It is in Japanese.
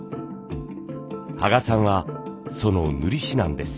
羽賀さんはその塗師なんです。